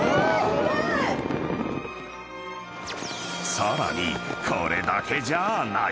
［さらにこれだけじゃない］